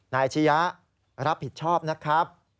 นายชียะรับผิดชอบนะครับ